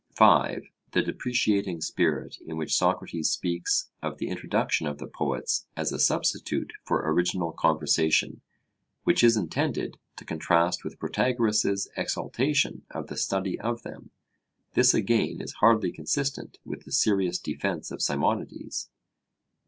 (5) The depreciating spirit in which Socrates speaks of the introduction of the poets as a substitute for original conversation, which is intended to contrast with Protagoras' exaltation of the study of them this again is hardly consistent with the serious defence of Simonides.